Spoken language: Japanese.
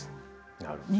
なるほど。